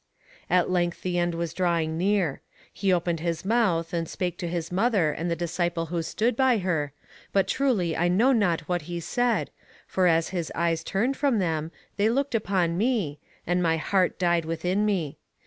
At length the end was drawing near. He opened his mouth and spake to his mother and the disciple who stood by her, but truly I know not what he said, for as his eyes turned from them, they looked upon me, and my heart died within me.